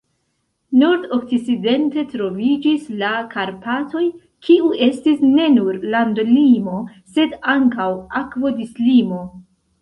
Nord-okcidente troviĝis la Karpatoj, kiu estis ne nur landolimo, sed ankaŭ akvodislimo.